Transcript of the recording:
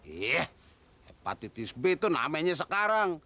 iya hepatitis b itu namanya sekarang